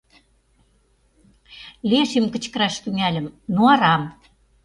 Лешийым кычкыраш тӱҥальым, но арам.